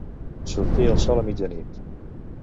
Sortir el sol a mitjanit.